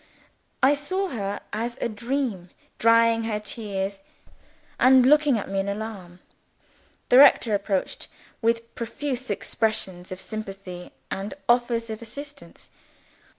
I saw her as in a dream, drying her tears, and looking at me in alarm. The rector approached, with profuse expressions of sympathy and offers of assistance.